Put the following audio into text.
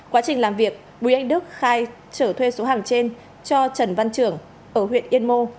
quá trình làm việc bùi anh đức khai trở thuê số hàng trên cho trần văn trưởng ở huyện yên mô